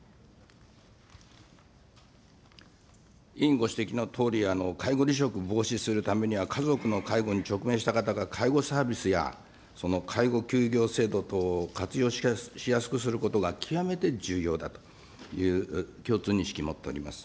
委員ご指摘のとおり、介護離職を防止するためには、家族の介護に直面した方が介護サービスや、その介護休業制度等を活用しやすくすることが極めて重要だという共通認識を持っております。